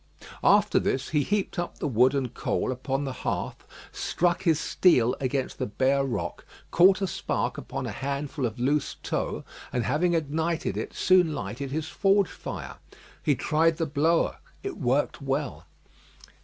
After this, he heaped up the wood and coal upon the hearth, struck his steel against the bare rock, caught a spark upon a handful of loose tow, and having ignited it, soon lighted his forge fire. He tried the blower: it worked well.